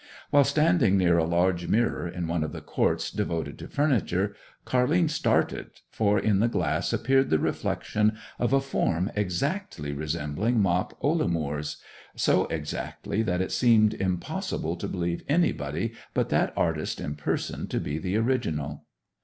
While standing near a large mirror in one of the courts devoted to furniture, Car'line started, for in the glass appeared the reflection of a form exactly resembling Mop Ollamoor's—so exactly, that it seemed impossible to believe anybody but that artist in person to be the original.